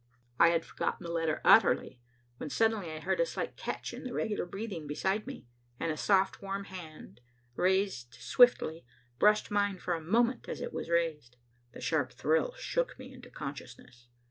I had forgotten the letter utterly when suddenly I heard a slight catch in the regular breathing beside me, and a soft warm hand, raised swiftly, brushed mine for a moment as it was raised. The sharp thrill shook me into consciousness.